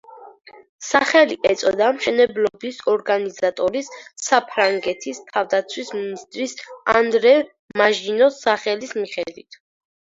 სახელი ეწოდა მშენებლობის ორგანიზატორის, საფრანგეთის თავდაცვის მინისტრის ანდრე მაჟინოს სახელის მიხედვით.